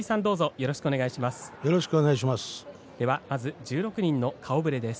よろしくお願いします。